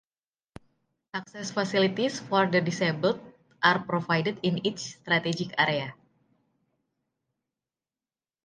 Access facilities for the disabled are provided in each strategic area